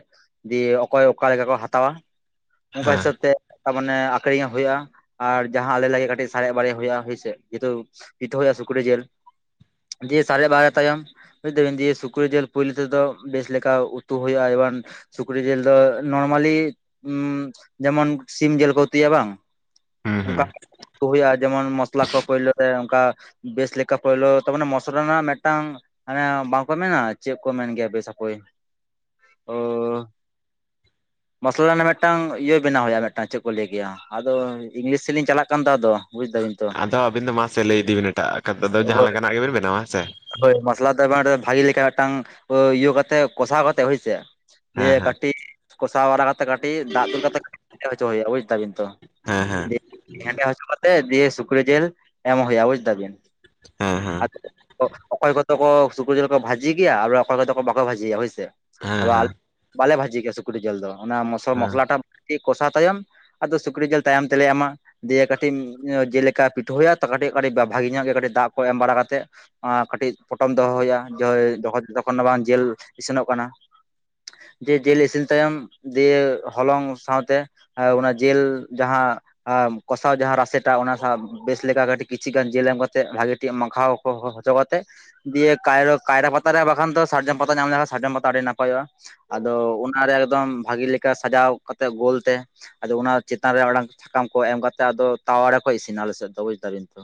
S1: ᱫᱤᱭᱮ ᱚᱠᱚᱭ ᱚᱠᱟᱞᱮᱠᱟ ᱠᱚ ᱦᱟᱛᱟᱣᱟ, ᱚᱱᱠᱟ
S2: ᱦᱮᱸ
S1: ᱦᱤᱥᱟᱹᱵ ᱛᱮ, ᱟ ᱢᱟᱱᱮ ᱟᱠᱷᱨᱤᱧᱮ ᱦᱳᱭᱳᱜᱼᱟ ᱟᱨ ᱡᱟᱦᱟᱸ ᱟᱞᱮ ᱞᱟᱜᱤᱫ ᱠᱟᱹᱴᱤᱡ ᱥᱟᱨᱮᱡ ᱵᱟᱨᱮᱡ ᱦᱳᱭᱳᱜᱼᱟ ᱦᱳᱭᱥᱮ, ᱡᱮᱦᱩᱛᱩ [unintelligible] ᱦᱳᱭᱳᱜᱼᱟ ᱥᱩᱠᱨᱤ ᱡᱮᱞ, ᱫᱤᱭᱮ ᱥᱟᱨᱮᱡ ᱵᱟᱨᱮᱡ ᱛᱟᱭᱚᱢ ᱵᱩᱡᱽᱮᱫᱟ ᱵᱤᱱ ᱫᱤᱭᱮ ᱥᱩᱠᱨᱤ ᱡᱮᱞ ᱯᱩᱭᱞᱩ ᱛᱮᱫᱚ ᱵᱮᱥ ᱞᱮᱠᱟ ᱩᱛᱩ ᱦᱳᱭᱳᱜᱼᱟ, ᱮᱵᱟᱱ ᱥᱩᱠᱨᱤ ᱡᱮᱞ ᱟᱫᱚ ᱱᱚᱨᱢᱟᱞᱤ ᱩᱸ ᱡᱮᱢᱚᱱ ᱥᱤᱢ ᱡᱮᱞ ᱠᱚ ᱩᱛᱩᱭᱟ ᱵᱟᱝ
S2: ᱦᱩᱸ
S1: ᱚᱱᱠᱟ
S2: ᱦᱩᱸ
S1: [unintelligible] ᱦᱳᱭᱳᱜᱼᱟ ᱡᱮᱢᱚᱱ ᱢᱚᱥᱞᱟ ᱠᱚ ᱯᱳᱭᱞᱳ ᱨᱮ ᱚᱱᱠᱟ ᱵᱮᱥ ᱞᱮᱠᱟ ᱯᱳᱭᱞᱳ, ᱛᱟᱢᱟᱱᱮ ᱢᱚᱥᱞᱟ ᱨᱮᱱᱟᱜ ᱢᱮᱫᱴᱟᱝ ᱦᱟᱱᱮ ᱵᱟᱝᱠᱚ ᱢᱮᱱᱟ ᱪᱮᱫ ᱠᱚ ᱢᱮᱱ ᱜᱮᱭᱟ ᱵᱮᱥ ᱦᱟᱯᱳᱭ? ᱳᱻ ᱢᱚᱥᱞᱟ ᱨᱮᱱᱟᱜ ᱢᱮᱫᱴᱟᱝ ᱤᱭᱟᱹ ᱵᱮᱱᱟᱣ ᱦᱳᱭᱳᱜᱼᱟ ᱢᱮᱫᱴᱟᱝ ᱪᱮᱫ ᱠᱚ ᱞᱟᱹᱭ ᱜᱮᱭᱟ? ᱟᱫᱚ ᱤᱝᱞᱤᱥ ᱥᱮᱫ ᱞᱤᱧ ᱪᱟᱞᱟᱜ ᱠᱟᱱ ᱫᱚ ᱟᱫᱚ᱾ ᱵᱩᱡ ᱫᱟᱵᱤᱱ ᱛᱚ
S2: ᱟᱫᱚ ᱟᱹᱵᱤᱱ ᱫᱚ ᱢᱟ ᱥᱮ ᱞᱟᱹᱭ ᱤᱫᱤ ᱵᱤᱱ ᱮᱴᱟᱜ [unintelligible] ᱡᱟᱦᱟᱸ
S1: ᱦᱳᱭ
S2: ᱞᱮᱠᱟᱱᱟᱜ ᱜᱮᱵᱤᱱ ᱵᱮᱱᱟᱣᱟ ᱦᱮᱸ ᱥᱮ᱾
S1: ᱦᱳᱭ ᱢᱚᱥᱞᱟ [unintelligible] ᱵᱷᱟᱜᱮ ᱞᱮᱠᱟ ᱢᱤᱫᱴᱟᱝ ᱤᱭᱟᱹ ᱠᱟᱛᱮᱜ ᱠᱚᱥᱟᱣ ᱠᱟᱛᱮᱜ ᱦᱳᱭᱥᱮ, ᱫᱤᱭᱮ
S2: ᱦᱮᱸ
S1: ᱠᱟ
S2: ᱦᱮᱸ
S1: ᱴᱤᱡ ᱠᱚᱥᱟᱣ ᱵᱟᱲᱟ ᱠᱟᱛᱮ ᱠᱟᱹᱴᱤᱡ ᱫᱟᱜ ᱫᱩᱞ ᱠᱟᱛᱮ [unintelligible] ᱦᱚᱪᱚ ᱦᱳᱭᱳᱜᱼᱟ, ᱵᱩᱡᱽ ᱛᱟᱵᱤᱱ ᱛᱚ᱾
S2: ᱦᱮᱸ ᱦᱮᱸ
S1: ᱦᱮᱸᱫᱮ ᱦᱚᱪᱚ ᱠᱟᱛᱮ ᱫᱤᱭᱮ ᱥᱩᱠᱨᱮ ᱡᱮᱞ ᱮᱢ ᱦᱳᱭᱳᱜ-ᱟ, ᱵᱩᱡ ᱫᱟᱵᱤᱱ?
S2: ᱦᱮᱸ ᱦᱮᱸ
S1: [inaudible] ᱚ ᱚᱠᱚᱭ ᱠᱚᱫᱚ ᱠᱚ ᱥᱩᱠᱨᱤ ᱡᱮᱞ ᱠᱚ ᱵᱷᱟᱡᱤ ᱜᱮᱭᱟ ᱟᱨ ᱚᱠᱚᱭ ᱠᱚᱫᱚ ᱠᱚ ᱵᱟᱠᱚ ᱵᱷᱟᱡᱤᱭᱟ, ᱦᱳᱭᱥᱮ᱾ [inaudible]
S2: ᱦᱮᱸ ᱦᱮᱸ
S1: ᱵᱟᱞᱮ ᱵᱷᱟᱹᱡᱤ ᱜᱮᱭᱟ ᱥᱩᱠᱨᱤ ᱡᱮᱞ ᱫᱚ, ᱚᱱᱟ ᱢᱚᱥ
S2: ᱦᱮᱸ
S1: ᱢᱚᱥᱞᱟ ᱴᱟᱜ [inaudible] ᱠᱚᱥᱟᱣ ᱛᱟᱭᱚᱢ ᱟᱫᱚ ᱥᱩᱠᱨᱤ ᱡᱮᱞ ᱛᱟᱭᱚᱢ ᱛᱮᱞᱮ ᱮᱢᱟ᱾ ᱫᱤᱭᱮ ᱠᱟᱹᱴᱤᱡ ᱡᱮᱞ ᱞᱮᱠᱟ ᱯᱤᱴᱷᱟᱹ ᱦᱳᱭᱳᱜᱼᱟ ᱛᱚ ᱠᱟᱹᱴᱤᱡ ᱠᱟᱹᱴᱤᱡ ᱵᱟ ᱵᱷᱟᱜᱮ ᱧᱚᱜ ᱜᱮ ᱠᱟᱹᱴᱤᱡ ᱫᱟᱜ ᱠᱚ ᱮᱢ ᱵᱟᱲᱟ ᱠᱟᱛᱮᱫ ᱚᱱᱟ ᱠᱟᱹᱴᱤᱡ ᱯᱚᱴᱚᱢ ᱫᱚᱦᱚ ᱦᱳᱭᱳᱜᱼᱟ, [unintelligible] ᱡᱚᱛᱚᱠᱷᱚᱱ ᱵᱟᱝ ᱡᱮᱞ ᱤᱥᱤᱱᱚᱜ ᱠᱟᱱᱟ᱾ ᱡᱮ ᱡᱮᱞ ᱤᱥᱤᱱ ᱛᱟᱭᱚᱢ ᱫᱤᱭᱮ ᱦᱚᱞᱚᱝ ᱥᱟᱶᱛᱮ ᱮᱸ ᱚᱱᱟ ᱡᱮᱞ ᱡᱟᱦᱟᱸ ᱟᱢ ᱠᱚᱥᱟᱣ ᱡᱟᱦᱟᱸ ᱨᱟᱥᱮ ᱴᱟᱜ ᱚᱱᱟ ᱥᱟᱶ ᱵᱮᱥ ᱞᱮᱠᱟ ᱠᱟᱹᱴᱤᱡ ᱠᱤᱪᱷᱤ ᱜᱟᱱ ᱡᱮᱞ ᱮᱢ ᱠᱟᱛᱮᱫ ᱵᱷᱟᱜᱮ ᱴᱷᱤᱠ ᱮᱢ ᱢᱟᱠᱷᱟᱣ ᱦᱚ ᱦᱚ ᱦᱚᱪᱚ ᱠᱟᱛᱮᱫ ᱫᱤᱭᱮ ᱠᱟᱭᱨᱚ ᱠᱟᱭᱨᱟ ᱯᱟᱛᱟ ᱨᱮ ᱵᱟᱠᱷᱟᱱ ᱫᱚ ᱥᱟᱨᱡᱚᱢ ᱯᱟᱛᱟ ᱧᱟᱢ ᱞᱮᱠᱷᱟᱱ ᱥᱟᱨᱡᱚᱢ ᱯᱟᱛᱟ ᱟᱹᱰᱤ ᱱᱟᱯᱟᱭᱚᱜᱼᱟ᱾ ᱟᱫᱚ ᱚᱱᱟᱨᱮ ᱮᱠᱫᱚᱢ ᱵᱷᱟᱜᱮ ᱞᱮᱠᱟ ᱥᱟᱡᱟᱣ ᱠᱟᱛᱮᱜ ᱜᱳᱞ ᱛᱮ, ᱟᱫᱚ ᱚᱱᱟ ᱪᱮᱛᱟᱱ ᱨᱮ ᱢᱤᱫᱴᱟᱝ ᱪᱷᱟᱠᱟᱢ ᱠᱚ ᱮᱢ ᱠᱟᱛᱮ ᱟᱫᱚ ᱛᱟᱣᱟ ᱨᱮ ᱠᱚ ᱤᱥᱤᱱᱟ ᱟᱞᱮ ᱥᱮᱫ ᱫᱚ, ᱵᱩᱡᱽ ᱫᱟᱵᱤᱱ ᱛᱚ᱾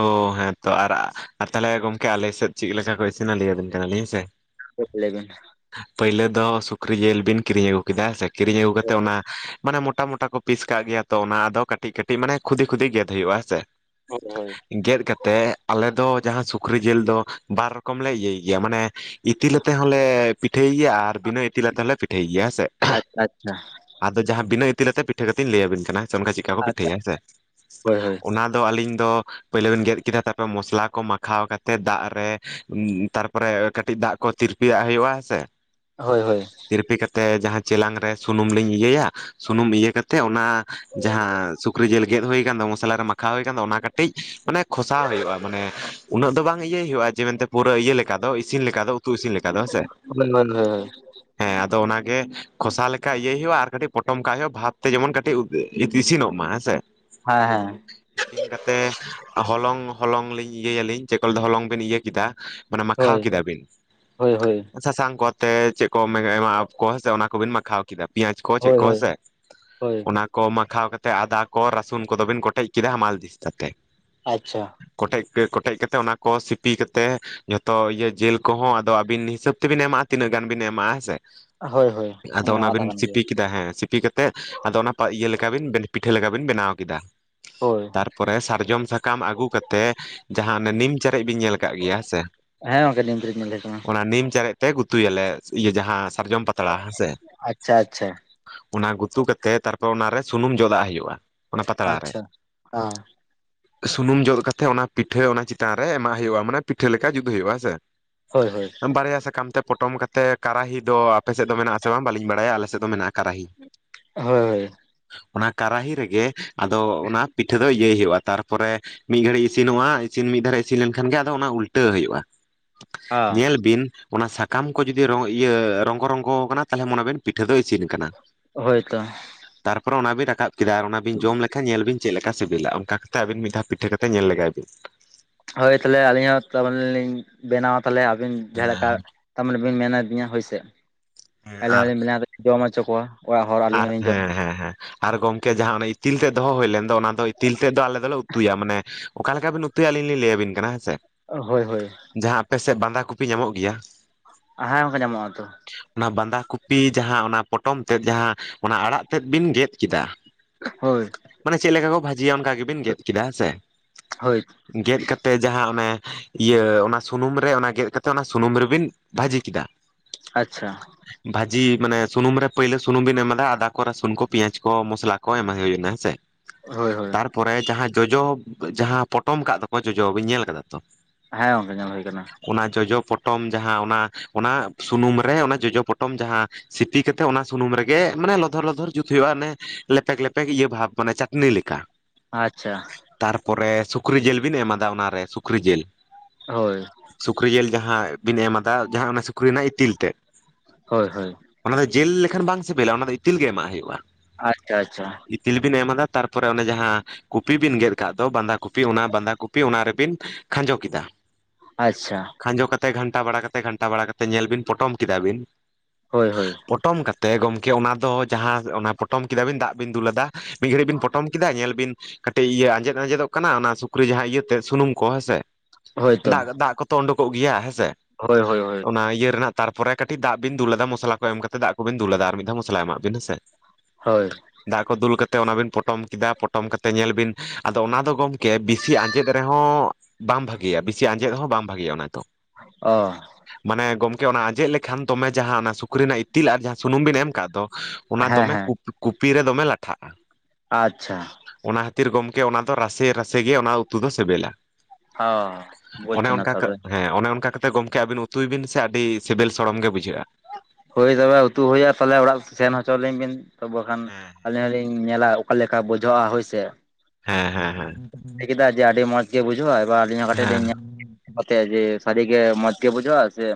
S2: ᱚ ᱦᱮᱸ ᱛᱚ, ᱟᱨ ᱟᱨ ᱛᱟᱞᱦᱮ ᱜᱚᱢᱠᱮ ᱟᱞᱮ ᱥᱮᱫ ᱪᱤᱫ ᱞᱮᱠᱟ ᱠᱚ ᱤᱥᱤᱱᱟ ᱞᱮᱭ ᱟᱵᱤᱱ ᱠᱟᱱᱟᱞᱤᱧ, ᱦᱮ ᱥᱮ?
S1: [unintelligible] ᱞᱮᱣ ᱵᱤᱱ᱾
S2: ᱯᱟᱹᱭᱞᱟᱹ ᱫᱚ ᱥᱩᱠᱨᱤ ᱡᱮᱞ ᱵᱤᱱ ᱠᱤᱨᱤᱧ ᱟᱹᱜᱩ ᱠᱮᱫᱟ ᱥᱮ, ᱠᱤᱨᱤᱧ ᱟᱹᱜᱩ ᱠᱟᱛᱮ ᱚᱱᱟ ᱢᱟᱱᱮ ᱢᱚᱴᱟ ᱢᱚᱴᱟ ᱠᱚ ᱯᱤᱥ ᱠᱟᱜ ᱜᱮᱭᱟ ᱛᱚ ᱚᱱᱟ ᱟᱫᱚ ᱠᱟᱹᱴᱤᱡ ᱠᱟᱹᱴᱤᱡ ᱢᱟᱱᱮ ᱠᱷᱩᱫᱤ ᱠᱷᱩᱫᱤ ᱜᱮᱫ ᱦᱳᱭᱳᱜᱼᱟ, ᱦᱮᱸᱥᱮ᱾
S1: ᱦᱳᱭ ᱦᱳᱭ᱾
S2: ᱜᱮᱫ ᱠᱟᱛᱮᱫ ᱟᱞᱮ ᱫᱚ ᱡᱟᱦᱟᱸ ᱥᱩᱠᱨᱤ ᱡᱮᱞ ᱫᱚ ᱵᱟᱨ ᱨᱚᱠᱚᱢ ᱞᱮ ᱤᱭᱟᱹᱭ ᱜᱮᱭᱟ ᱢᱟᱱᱮ ᱤᱛᱤᱞ ᱟᱛᱮ ᱦᱚᱸᱞᱮ ᱯᱤᱴᱷᱟᱹᱭ ᱜᱮᱭᱟ ᱟᱨ ᱵᱤᱱᱟᱹ ᱤᱛᱤᱞ ᱟᱛᱮ ᱦᱚᱸᱞᱮ ᱯᱤᱴᱷᱟᱹᱭ ᱜᱮᱭᱟ, ᱦᱮᱸᱥᱮ᱾
S1: ᱟᱪᱪᱷᱟ ᱟᱪᱪᱷᱟ
S2: ᱟᱫᱚ ᱡᱟᱦᱟᱸ ᱵᱤᱱᱟᱹ ᱤᱛᱤᱞ ᱟᱛᱮ ᱯᱤᱴᱷᱟᱹ ᱠᱟᱛᱤᱧ ᱞᱟᱹᱭ ᱟᱵᱤᱱ ᱠᱟᱱᱟ, ᱦᱮᱸ ᱥᱮ᱾ ᱚᱱᱠᱟ ᱪᱮᱫᱠᱟ ᱠᱚ
S1: ᱟᱪᱪᱷᱟ
S2: ᱯᱤᱴᱷᱟᱹᱭᱟ ᱦᱮᱸ ᱥᱮ?
S1: ᱦᱳᱭ ᱦᱳᱭ
S2: ᱚᱱᱟ ᱟᱫᱚ ᱟᱹᱞᱤᱧ ᱫᱚ ᱯᱟᱹᱭᱞᱟᱹ ᱵᱮᱱ ᱜᱮᱫ ᱠᱮᱫᱟ ᱛᱟᱯᱚᱨᱮ ᱢᱚᱥᱞᱟ ᱠᱚ ᱢᱟᱠᱷᱟᱣ ᱠᱟᱛᱮ ᱫᱟᱜ ᱨᱮ, ᱛᱟᱨᱯᱚᱨᱮ ᱠᱟᱹᱴᱤᱡ ᱫᱟᱜ ᱠᱚ ᱛᱤᱨᱯᱤᱭᱟᱜ ᱦᱩᱭᱩᱜ-ᱟ, ᱦᱮᱸ ᱥᱮ᱾
S1: ᱦᱳᱭ ᱦᱳᱭ᱾
S2: ᱛᱤᱨᱯᱤ ᱠᱟᱛᱮ ᱡᱟᱦᱟᱸ ᱪᱮᱞᱟᱝ ᱨᱮ ᱥᱩᱱᱩᱢ ᱞᱤᱧ ᱤᱭᱟᱹᱭᱟ, ᱥᱩᱱᱩᱢ ᱤᱭᱟᱹ ᱠᱟᱛᱮ ᱚᱱᱟ ᱡᱟᱦᱟᱸ ᱥᱩᱠᱨᱤ ᱡᱮᱞ ᱜᱮᱫ ᱦᱳᱭ ᱟᱠᱟᱱ ᱫᱚ ᱢᱚᱥᱞᱟ ᱨᱮ ᱢᱟᱠᱷᱟᱣ ᱦᱳᱭ ᱟᱠᱟᱱ ᱫᱚ, ᱚᱱᱟ ᱠᱟᱹᱴᱤᱡ ᱢᱟᱱᱮ ᱠᱷᱚᱥᱟᱣ ᱦᱩᱭᱩᱜ-ᱟ, ᱢᱟᱱᱮ ᱩᱱᱟᱹᱜ ᱫᱚ ᱵᱟᱝ ᱤᱭᱟᱹᱭ ᱦᱩᱭᱩᱜ-ᱟ ᱡᱮ ᱢᱮᱱᱛᱮ ᱯᱩᱨᱟᱹ ᱤᱭᱟᱹ ᱞᱮᱠᱟ ᱫᱚ ᱤᱥᱤᱱ ᱞᱮᱠᱟ ᱫᱚ᱾ ᱩᱛᱩ ᱤᱥᱤᱱ ᱞᱮᱠᱟ ᱫᱚ ᱦᱮᱸ ᱥᱮ᱾
S1: ᱦᱳᱭ ᱦᱳᱭ ᱦᱳᱭ
S2: ᱦᱮᱸ ᱟᱫᱚ ᱚᱱᱟ ᱜᱮ ᱠᱷᱚᱥᱟ ᱞᱮᱠᱟ ᱤᱭᱟᱹᱭ ᱦᱩᱭᱩᱜ-ᱟ, ᱟᱨ ᱠᱟᱴᱤᱡ ᱯᱚᱴᱚᱢ ᱠᱟᱜ ᱦᱩᱭᱩᱜ-ᱟ᱾ ᱵᱷᱟᱵ ᱛᱮ ᱡᱮᱢᱚᱱ ᱠᱟᱴᱤᱡ ᱛᱮ ᱤᱥᱤᱱᱚᱜ ᱢᱟ ᱦᱮᱸ ᱥᱮ।
S1: ᱦᱮᱸ ᱦᱮᱸ᱾
S2: ᱤᱥᱤᱱ ᱠᱟᱛᱮ ᱦᱚᱞᱚᱝ ᱦᱚᱞᱚᱝ ᱞᱤᱧ ᱤᱭᱟᱹᱭᱟᱞᱤᱧ᱾ ᱪᱮᱫ ᱠᱚᱞ [unintelligible] ᱦᱚᱞᱚᱝ ᱵᱮᱱ ᱤᱭᱟᱹ ᱠᱮᱫᱟ᱾ ᱢᱟᱱᱮ ᱢᱟᱠᱷᱟᱣ
S1: ᱦᱳᱭ
S2: ᱠᱮᱫᱟ ᱵᱤᱱ
S1: ᱦᱳᱭ ᱦᱳᱭ
S2: ᱥᱟᱥᱟᱝ ᱠᱚ ᱛᱮ ᱪᱮᱫ ᱠᱚ ᱮᱢᱟᱜ-ᱟᱠᱚ ᱦᱮᱸ ᱥᱮ᱾ ᱚᱱᱟ ᱠᱚᱵᱮᱱ ᱢᱟᱠᱷᱟᱣ ᱠᱮᱫᱟ᱾ ᱯᱮᱸᱭᱟᱡᱽ ᱠᱚ ᱪᱮᱫ
S1: ᱦᱳᱭ
S2: ᱠᱚ
S1: ᱦᱳᱭ
S2: ᱦᱮᱸᱥᱮ᱾
S1: ᱦᱳᱭ
S2: ᱚᱱᱟ ᱠᱚ ᱢᱟᱠᱷᱟᱣ ᱠᱟᱛᱮᱫ ᱟᱫᱟ ᱠᱚ ᱨᱟᱹᱥᱩᱱ ᱠᱚᱫᱚ ᱵᱤᱱ ᱠᱚᱴᱮᱡ ᱠᱮᱫᱟ ᱦᱟᱢᱟᱞ ᱫᱤᱥᱛᱟ ᱛᱮ᱾
S1: ᱟᱪᱪᱷᱟ᱾
S2: ᱠᱚᱴᱮᱡ ᱯᱮ, ᱠᱚᱴᱮᱡ ᱠᱟᱛᱮ ᱚᱱᱟ ᱠᱚ ᱥᱤᱯᱤ ᱠᱟᱛᱮ ᱡᱷᱚᱛᱚ ᱤᱭᱟᱹ ᱡᱤᱞ ᱠᱚᱦᱚᱸ ᱟᱫᱚ ᱟᱵᱤᱱ ᱦᱤᱥᱟᱹᱵ ᱛᱮᱵᱤᱱ ᱮᱢᱟᱜ-ᱟ᱾ ᱛᱤᱱᱟᱹᱜ ᱜᱟᱱ ᱵᱤᱱ ᱮᱢᱟᱜ-ᱟ ᱦᱮᱸ ᱥᱮ?
S1: ᱦᱳᱭ ᱦᱳᱭ
S2: ᱟᱫᱚ
S1: ᱚᱱᱟ ᱢᱟ
S2: ᱚᱱᱟᱵᱤᱱ
S1: ᱠᱟᱛᱷᱟ ᱠᱟᱱ ᱜᱮᱭᱟ
S2: ᱪᱤᱴᱤ ᱠᱮᱫᱟ ᱦᱮᱸ᱾ ᱥᱤᱯᱤ ᱠᱟᱛᱮᱜ, ᱟᱫᱚ ᱚᱱᱟ ᱤᱭᱟᱹ ᱞᱮᱠᱟ ᱵᱤᱱ, ᱯᱤᱴᱷᱟᱹ ᱞᱮᱠᱟ ᱵᱤᱱ ᱵᱮᱱᱟᱣ ᱠᱮᱫᱟ᱾
S1: ᱦᱳᱭ᱾
S2: ᱯᱚᱨᱮ ᱥᱟᱨᱡᱚᱢ ᱥᱟᱠᱟᱢ ᱟᱹᱜᱩ ᱠᱟᱛᱮ, ᱡᱟᱦᱟᱸ ᱚᱱᱮ ᱱᱤᱢ ᱪᱮᱟᱨᱡ ᱵᱤᱱ ᱧᱮᱞ ᱟᱠᱟᱜ ᱜᱮᱭᱟ ᱦᱮᱸ ᱥᱮ᱾
S1: [unintelligible] ᱧᱮᱞᱮ ᱠᱟᱱᱟ᱾
S2: ᱚᱱᱟ ᱱᱤᱢ ᱪᱟᱨᱮᱡ ᱛᱮ ᱜᱩᱛᱩᱭᱟᱞᱮ ᱤᱭᱟᱹ ᱡᱟᱦᱟᱸ ᱥᱟᱨᱡᱚᱢ ᱯᱟᱛᱲᱟ ᱦᱮᱸ ᱥᱮ᱾
S1: ᱟᱪᱪᱷᱟ ᱟᱪᱪᱷᱟ
S2: ᱚᱱᱟ ᱜᱩᱛᱩ ᱠᱟᱛᱮᱜ, ᱛᱟᱨᱯᱚᱨ ᱚᱱᱟᱨᱮ ᱥᱩᱱᱩᱢ ᱡᱚᱫᱟᱜ ᱦᱩᱭᱩᱜ-ᱟᱺ
S1: ᱟᱪᱪᱷᱟ, ᱦᱮᱸ᱾
S2: ᱥᱩᱱᱩᱢ ᱡᱚᱫ ᱠᱟᱛᱮ, ᱚᱱᱟ ᱯᱤᱴᱷᱟᱹ ᱚᱱᱟ ᱪᱮᱛᱟᱱ ᱨᱮ ᱮᱢᱟᱜ ᱦᱩᱭᱩᱜ-ᱟ᱾ ᱢᱟᱱᱮ ᱯᱤᱴᱷᱟᱹ ᱞᱮᱠᱟ ᱡᱩᱛ ᱦᱩᱭᱩᱜ-ᱟ ᱦᱮᱸ ᱥᱮ᱾
S1: ᱦᱳᱭ ᱦᱳᱭ
S2: ᱵᱟᱨᱭᱟ ᱥᱟᱠᱟᱢ ᱛᱮ ᱯᱚᱴᱚᱢ ᱠᱟ ᱛᱮ, ᱠᱟᱨᱟᱦᱤ ᱫᱚ ᱟᱯᱮᱥᱮᱫ ᱫᱚ ᱢᱮᱱᱟᱜ-ᱟ ᱥᱮ ᱵᱟᱝ ᱵᱟᱞᱤᱧ ᱵᱟᱲᱟᱭᱟ? ᱟᱞᱮᱥᱮᱫ ᱫᱚ ᱢᱮᱱᱟ-ᱼᱟ ᱠᱟᱨᱟᱦᱤ᱾
S1: ᱦᱳᱭ ᱦᱳᱭ᱾
S2: ᱚᱱᱟ ᱠᱟᱨᱟᱦᱤ ᱨᱮᱜᱮ ᱟᱫᱚ ᱚᱱᱟ ᱯᱤᱴᱷᱟᱹ ᱫᱚ ᱤᱭᱟᱹᱭ ᱦᱩᱭᱩᱜ-ᱟ ᱛᱟᱨᱯᱚᱨᱮ ᱢᱤᱫ ᱜᱷᱟᱹᱲᱤᱡ ᱤᱥᱤᱱᱚᱜ-ᱟ, ᱤᱥᱤᱱ ᱢᱤᱫ ᱫᱷᱟᱨᱮ ᱤᱥᱤᱱ ᱞᱮᱱᱠᱷᱟᱱ ᱜᱮ, ᱟᱫᱚ ᱚᱱᱟ ᱩᱞᱴᱟᱹᱣ ᱦᱩᱭᱩᱜ-ᱟ᱾
S1: ᱦᱮᱸ
S2: ᱧᱮᱞ ᱵᱤᱱ ᱚᱱᱟ ᱥᱟᱠᱟᱢ ᱠᱚ ᱡᱩᱫᱤ ᱨᱚᱸ ᱤᱭᱟᱹ ᱨᱚᱸᱜᱚ ᱨᱚᱸᱜᱚ ᱠᱟᱱᱟ, ᱛᱟᱞᱦᱮ ᱢᱚᱱᱮ ᱵᱤᱱ ᱯᱤᱴᱷᱟᱹ ᱫᱚ ᱤᱥᱤᱱ ᱠᱟᱱᱟ᱾
S1: ᱦᱳᱭ ᱛᱚ᱾
S2: ᱛᱟᱨᱯᱚᱨᱮ ᱚᱱᱟ ᱵᱤᱱ ᱨᱟᱠᱟᱵ ᱠᱮᱫᱟ ᱟᱨ ᱚᱱᱟᱵᱤᱱ ᱡᱚᱢ ᱞᱮᱠᱷᱟᱱ ᱧᱮᱞ ᱵᱤᱱ ᱪᱮᱫ ᱞᱮᱠᱟ ᱥᱤᱵᱤᱞᱟ? ᱚᱱᱠᱟ ᱠᱟᱛᱮᱫ ᱟᱵᱤᱱ ᱢᱤᱫ ᱫᱷᱟᱣ ᱯᱤᱴᱷᱟᱹ ᱠᱟᱛᱮ ᱧᱮᱞ ᱞᱮᱜᱟᱭ ᱵᱤᱱ᱾
S1: ᱦᱳᱭ ᱛᱟᱞᱦᱮ ᱟᱹᱞᱤᱧ ᱦᱚᱸ ᱛᱚ ᱢᱟᱱᱮᱞᱤᱧ ᱵᱮᱱᱟᱣᱟ ᱛᱟᱞᱦᱮ ᱟᱵᱤᱱ ᱡᱟᱦᱟᱸ ᱞᱮᱠᱟ
S2: ᱦᱮᱸ
S1: ᱛᱟᱨᱢᱟᱱᱮ ᱵᱮᱱ ᱢᱮᱱᱟᱫᱤᱧᱟᱹ ᱦᱚᱳᱭᱥᱮ᱾ ᱟᱞᱮ
S2: ᱟᱨ
S1: ᱦᱚᱸᱞᱤᱧ ᱵᱮᱱᱟᱣ ᱠᱟᱛᱮᱜ ᱡᱚᱢ ᱦᱚᱪᱚ ᱠᱚᱣᱟ᱾ ᱚᱲᱟᱜ ᱦᱚᱲ ᱟᱹᱞᱤᱧ
S2: ᱟᱨ
S1: ᱦᱚᱸᱞᱤᱧ ᱡᱚᱢᱟ᱾
S2: ᱦᱮᱸ ᱦᱮᱸ ᱦᱮᱸ ᱟᱨ ᱜᱚᱝᱠᱮ ᱡᱟᱦᱟᱸ ᱚᱱᱟ ᱤᱛᱤᱞ ᱛᱮᱫ ᱫᱚᱦᱚ ᱦᱩᱭ ᱞᱮᱱ ᱫᱚ, ᱚᱱᱟ ᱫᱚ ᱤᱛᱤᱞ ᱛᱮᱫ ᱫᱚ ᱟᱞᱮ ᱫᱚᱞᱮ ᱩᱛᱩᱭᱟ, ᱢᱟᱱᱮ ᱚᱠᱟ ᱞᱮᱠᱟ ᱵᱤᱱ ᱩᱛᱩᱭᱟ? ᱟᱹᱞᱤᱧ ᱞᱤᱧ ᱞᱟᱹᱭᱟᱵᱤᱱ ᱠᱟᱱᱟ ᱦᱮᱸ ᱥᱮ᱾
S1: ᱚ, ᱦᱳᱭ ᱦᱳᱭ᱾
S2: ᱡᱟᱦᱟᱸ ᱟᱯᱮᱥᱮᱫ ᱵᱟᱸᱫᱟ ᱠᱚᱯᱤ ᱧᱟᱢᱚᱜ ᱜᱮᱭᱟ᱾
S1: ᱦᱮᱸ ᱜᱚᱝᱠᱮ ᱧᱟᱢᱚᱜ-ᱟ ᱛᱚ᱾
S2: ᱚᱱᱟ ᱵᱟᱸᱫᱷᱟ ᱠᱚᱯᱤ ᱡᱟᱦᱟᱸ ᱚᱱᱟ ᱯᱚᱴᱚᱢ ᱛᱮᱫ ᱡᱟᱦᱟᱸ ᱚᱱᱟ ᱟᱲᱟᱜ ᱛᱮᱫ ᱵᱤᱱ ᱜᱮᱫ ᱠᱮᱫᱟ।
S1: ᱦᱳᱭ।
S2: ᱢᱟᱱᱮ ᱪᱮᱫ ᱞᱮᱠᱟ ᱠᱚ ᱵᱷᱟᱹᱡᱤᱭᱟ? ᱚᱱᱠᱟ ᱜᱮᱵᱤᱱ ᱜᱮᱫ ᱠᱮᱫᱟ ᱦᱮᱸ ᱥᱮ।
S1: ᱦᱳᱭ।
S2: ᱜᱮᱫ ᱠᱟᱛᱮ ᱡᱟᱦᱟᱸ ᱚᱱᱮ, ᱤᱭᱟᱹ ᱚᱱᱟ ᱥᱩᱱᱩᱢ ᱨᱮ ᱚᱱᱟ ᱜᱮᱫ ᱠᱟᱛᱮ, ᱚᱱᱟ ᱥᱩᱱᱩᱢ ᱨᱮᱵᱤᱱ ᱼᱼ ᱵᱷᱟᱹᱡᱤ ᱠᱮᱫᱟ।
S1: ᱟᱪᱪᱷᱟ।
S2: ᱵᱷᱟᱹᱤ, ᱢᱟᱱᱮ ᱥᱩᱱᱩᱢ ᱨᱮ ᱯᱟᱹᱭᱞᱟ ᱥᱩᱱᱩᱢ ᱵᱤᱱ ᱮᱢᱟᱫ ᱼᱼ ᱟᱫᱟ ᱠᱚ, ᱨᱟᱥᱩᱱ ᱠᱚ, ᱯᱮᱭᱟᱢ ᱠᱚ, ᱢᱚᱥᱞᱟ ᱠᱚ ᱮᱢᱟ ᱦᱩᱭ ᱱᱟ ᱦᱮᱸ ᱥᱮ।
S1: ᱦᱳᱭ ᱦᱳᱭ।
S2: ᱯᱚᱨᱮ ᱡᱟᱦᱟᱸ ᱡᱚᱡᱚ ᱡᱟᱦᱟᱸ ᱯᱚᱴᱚᱢ ᱠᱟᱜ ᱫᱚᱠᱚ, ᱡᱚᱡᱚ ᱵᱤᱱ ᱧᱮᱞ ᱟᱠᱟᱫᱟ ᱛᱚ?
S1: ᱦᱮᱸ ᱜᱚᱝᱠᱮ ᱧᱮᱞ ᱦᱩᱭ ᱟᱠᱟᱱᱟ।
S2: ᱚᱱᱟ ᱡᱚᱡᱚ ᱯᱚᱴᱚᱢ ᱡᱟᱦᱟᱸ ᱚᱱᱟ ᱚᱱᱟ ᱥᱩᱱᱩᱢ ᱨᱮ ᱚᱱᱟ ᱡᱚᱡᱚ ᱯᱚᱴᱚᱢ ᱡᱟᱦᱟᱸᱼᱼ ᱥᱤᱯᱤ ᱠᱟᱛᱮᱜ ᱚᱱᱟ ᱥᱩᱱᱩᱢ ᱨᱮᱜᱮᱼᱼ ᱢᱟᱱᱮ ᱞᱚᱫᱷᱚᱨ ᱞᱚᱫᱷᱚᱨ ᱡᱩᱛ ᱦᱩᱭᱩᱜᱼᱟ ᱞᱮᱯᱮᱠ ᱞᱮᱯᱮᱠ ᱤᱭᱟᱹ ᱵᱷᱟᱵ ᱚᱱᱮ ᱪᱟᱴᱱᱤ ᱞᱮᱠᱟ᱾
S1: ᱟᱪᱪᱷᱟ᱾
S2: ᱛᱟᱨᱯᱚᱨᱮ ᱥᱩᱠᱨᱤ ᱡᱤᱞ ᱵᱤᱱ ᱮᱢᱟᱫᱟ ᱚᱱᱟᱨᱮ ᱥᱩᱠᱨᱤ ᱡᱤᱞ᱾
S1: ᱦᱳᱭ᱾
S2: ᱥᱩᱠᱨᱤ ᱡᱤᱞ ᱡᱟᱦᱟᱸ ᱵᱤᱱ ᱮᱢᱟᱫᱟ ᱡᱟᱦᱟᱸ ᱚᱱᱟ ᱥᱩᱠᱨᱤ ᱨᱮᱱᱟᱜ ᱤᱛᱤᱞ ᱛᱮᱫ᱾
S1: ᱦᱳᱭ ᱦᱳᱭ᱾
S2: ᱚᱱᱟ ᱫᱚ ᱡᱤᱞ ᱞᱮᱠᱷᱟᱱ ᱵᱟᱝ ᱥᱤᱵᱤᱞᱟ ᱚᱱᱟ ᱫᱚ ᱤᱛᱤᱞ ᱜᱮ ᱮᱢᱟᱜ ᱦᱩᱭᱩᱜᱼᱟ᱾
S1: ᱟᱪᱪᱷᱟ ᱟᱪᱪᱷᱟ᱾
S2: ᱤᱛᱤᱞ ᱵᱤᱱ ᱮᱢᱟᱫᱟ ᱛᱟᱨᱯᱚᱨᱮ ᱚᱱᱮ ᱡᱟᱦᱟᱸᱼᱼ ᱠᱚᱯᱤ ᱵᱤᱱ ᱜᱮᱫ ᱠᱟᱜ ᱫᱚ ᱵᱟᱸᱫᱷᱟ ᱠᱚᱯᱤ ᱚᱱᱟ ᱵᱟᱸᱫᱷᱟ ᱠᱚᱯᱤ ᱚᱱᱟ ᱨᱮᱵᱤᱱ ᱠᱷᱟᱸᱡᱚ ᱠᱮᱫᱟ᱾
S1: ᱟᱪᱪᱷᱟ᱾
S2: ᱠᱷᱟᱸᱡᱚ ᱠᱟᱛᱮ ᱜᱷᱟᱱᱴᱟ ᱵᱟᱲᱟ ᱠᱟᱛᱮ ᱜᱷᱟᱱᱴᱟ ᱵᱟᱲᱟ ᱠᱟᱛᱮ ᱧᱮᱞ ᱵᱤᱱ ᱯᱚᱴᱚᱢ ᱠᱮᱫᱟ ᱵᱤᱱ᱾
S1: ᱦᱳᱭ ᱦᱳᱭ᱾
S2: ᱯᱚᱴᱚᱢ ᱠᱟᱛᱮ ᱜᱚᱢᱠᱮ ᱚᱱᱟ ᱫᱚ ᱡᱟᱦᱟᱸ ᱚᱱᱟ ᱯᱚᱴᱚᱢ ᱠᱮᱫᱟᱵᱤᱱ ᱫᱟᱜ ᱵᱤᱱ ᱫᱩᱞ ᱟᱫᱟ᱾ ᱢᱤᱫ ᱜᱷᱟᱹᱲᱤᱡ ᱵᱤᱱ ᱯᱚᱴᱚᱢ ᱠᱮᱫᱟ ᱧᱮᱞ ᱵᱤᱱᱼᱼ ᱠᱟᱹᱴᱤᱡ ᱤᱭᱟᱹ ᱟᱸᱡᱮᱫ ᱟᱸᱡᱮᱫᱚᱜ ᱠᱟᱱᱟ ᱚᱱᱟ ᱥᱩᱠᱨᱤ ᱡᱟᱦᱟᱸ ᱤᱭᱟᱹ ᱛᱮᱫ ᱥᱩᱱᱩᱢ ᱠᱚ ᱦᱮᱸᱥᱮ
S1: ᱦᱳᱭᱛᱚ
S2: ᱫᱟᱜ ᱫᱟᱜ ᱠᱚᱛᱮᱼᱼ ᱛᱚ ᱳᱱᱰᱩᱠᱚᱜ ᱜᱮᱭᱟ ᱦᱮᱸ ᱥᱮ?
S1: ᱦᱳᱭ ᱦᱳᱭ ᱦᱳᱭ᱾
S2: ᱚᱱᱟ ᱤᱭᱟᱹ ᱨᱮᱱᱟᱜ ᱛᱟᱨᱯᱚᱨᱮ ᱠᱟᱹᱴᱤᱡ ᱫᱟᱜ ᱵᱤᱱ ᱫᱩᱞ ᱟᱫᱟ ᱢᱚᱥᱞᱟ ᱠᱚ ᱮᱢ ᱠᱟᱛᱮ ᱫᱟᱜ ᱠᱚᱵᱤᱱ ᱫᱩᱞ ᱟᱫᱟ ᱟᱨ ᱢᱤᱫ ᱫᱷᱟᱣ ᱢᱚᱥᱞᱟ ᱮᱢᱟᱜ ᱵᱤᱱ ᱦᱮᱸᱥᱮ᱾
S1: ᱦᱳᱭ᱾
S2: ᱫᱟᱜ ᱠᱚ ᱫᱩᱞ ᱠᱟᱛᱮ ᱚᱱᱟ ᱵᱤᱱ ᱯᱚᱴᱚᱢ ᱠᱮᱫᱟ ᱯᱚᱴᱚᱢ ᱠᱟᱛᱮ ᱧᱮᱞ ᱵᱤᱱ ᱟᱫᱚ ᱚᱱᱟ ᱫᱚ ᱜᱚᱢ ᱠᱮ ᱵᱤᱥᱤ ᱟᱸᱡᱮᱫ ᱨᱮᱦᱚᱸ ᱵᱟᱝ ᱵᱷᱟᱜᱮᱭᱟ ᱵᱤᱥᱤ ᱟᱸᱡᱮᱫ ᱦᱚᱸ ᱵᱟᱝ ᱵᱷᱟᱜᱮᱭᱟ ᱚᱱᱟ ᱫᱚᱼᱼ
S1: ᱚᱼᱼ
S2: ᱢᱟᱱᱮ ᱜᱚᱢᱠᱮ ᱚᱱᱟ ᱟᱸᱡᱮᱫ ᱞᱮᱠᱷᱟᱱ ᱫᱚᱢᱮ ᱡᱟᱦᱟᱸ ᱚᱱᱟ ᱥᱩᱠᱨᱤ ᱨᱮᱱᱟᱜ ᱤᱛᱤᱞ ᱟᱨ ᱡᱟᱦᱟᱸ ᱥᱩᱱᱩᱢ ᱵᱤᱱ ᱮᱢ ᱠᱟᱜ ᱫᱚ ᱚᱱᱟ
S1: ᱦᱮᱸ
S2: ᱫᱚᱢᱮ
S1: ᱦᱮᱸ
S2: ᱠᱩᱯᱤ ᱨᱮ ᱫᱚᱢᱮ ᱞᱟᱴᱷᱟᱜᱼᱟ᱾
S1: ᱟᱪᱪᱷᱟ᱾
S2: ᱚᱱᱟ ᱠᱷᱟᱹᱛᱤᱨ ᱜᱚᱢᱠᱮ ᱚᱱᱟ ᱫᱚ ᱨᱟᱥᱮ ᱨᱟᱥᱮ ᱜᱮ ᱚᱱᱟ ᱩᱛᱩ ᱫᱚ ᱥᱮᱵᱮᱞᱟ᱾
S1: ᱚ ᱵᱩᱡᱽ
S2: ᱚᱱᱮ
S1: ᱮᱱᱟ
S2: ᱚᱱᱠᱟ ᱠᱟ
S1: ᱛᱚᱵᱮ
S2: ᱦᱮᱸ ᱚᱱᱮ ᱚᱱᱠᱟ ᱠᱟᱛᱮᱫ ᱜᱚᱢᱠᱮ ᱟᱹᱵᱤᱱ ᱩᱛᱩᱭ ᱵᱤᱱ ᱥᱮ ᱟᱹᱰᱤ ᱥᱤᱵᱤᱞ ᱥᱚᱲᱚᱢ ᱜᱮ ᱵᱩᱡᱷᱟᱹᱜᱼᱟ᱾
S1: ᱦᱳᱭ ᱛᱚᱵᱮ ᱩᱛᱩ ᱦᱩᱭᱩᱜᱼᱟ ᱛᱟᱦᱚᱞᱮ ᱚᱲᱟᱜ ᱥᱮᱱ ᱦᱚᱪᱚᱣᱟᱞᱤᱧ ᱵᱤᱱ ᱛᱚ ᱵᱟᱠᱷᱟᱱ
S2: ᱦᱮᱸ
S1: ᱟᱹᱞᱤᱧ ᱦᱚᱞᱤᱧ ᱧᱮᱞᱟ᱾ ᱚᱠᱟ ᱞᱮᱠᱟ ᱵᱩᱡᱷᱟᱹᱜᱼᱟ ᱦᱳᱭ ᱥᱮ᱾
S2: ᱦᱮᱸ, ᱦᱮᱸ, ᱦᱮᱸ᱾
S1: ᱞᱟᱹᱭ ᱠᱮᱫᱟ ᱡᱮ ᱟᱹᱰᱤ ᱢᱚᱸᱡᱽ ᱜᱮ ᱵᱩᱡᱷᱟᱹᱜ-ᱟ ᱮᱵᱟᱨ ᱟᱹᱞᱤᱧ ᱦᱚᱸ ᱠᱟᱹᱴᱤᱡ
S2: ᱦᱮᱸ
S1: ᱞᱤᱧ ᱧᱮ ᱠᱟᱛᱮ ᱡᱮ ᱥᱟᱹᱨᱤ ᱜᱮ ᱢᱚᱸᱡᱽ ᱜᱮ ᱵᱩᱡᱚᱜ-ᱟ ᱥᱮ